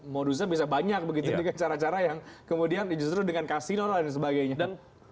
modusnya bisa banyak begitu dengan cara cara yang kemudian justru dengan kasinor dan sebagainya